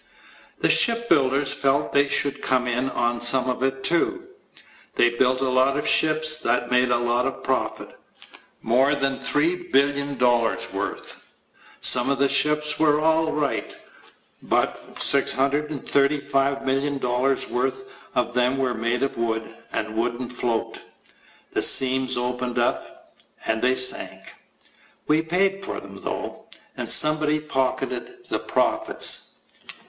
The shipbuilders felt they should come in on some of it, too. They built a lot of ships that made a lot of profit. More than $3,000,000,000 worth. Some of the ships were all right. But $635,000,000 worth of them were made of wood and wouldn't float! The seams opened up and they sank. We paid for them, though. And somebody pocketed the profits.